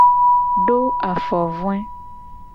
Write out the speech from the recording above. Do afovoe.